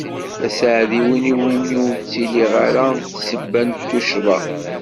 D aseɛdi win iwumi ur ttiliɣ ara d ssebba n tuccḍa.